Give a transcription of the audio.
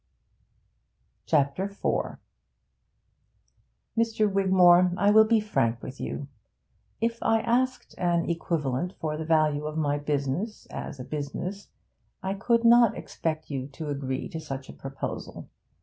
CHAPTER IV 'Mr. Wigmore, I will be frank with you. If I asked an equivalent for the value of my business as a business, I could not expect you to agree to such a proposal.